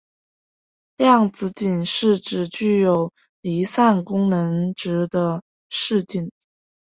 量子阱是指具有离散能量值的势阱。